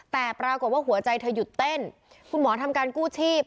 แต่ปรากฏว่าหัวใจเธอหยุดเต้นคุณหมอทำการกู้ชีพ